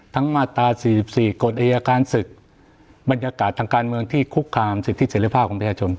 มาตรา๔๔กฎอายการศึกบรรยากาศทางการเมืองที่คุกคามสิทธิเสร็จภาพของประชาชน